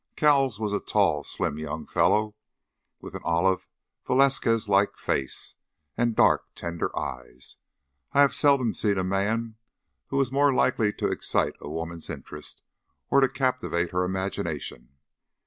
Cowles was a tall, slim young fellow, with an olive, Velasquez like face, and dark, tender eyes. I have seldom seen a man who was more likely to excite a woman's interest, or to captivate her imagination.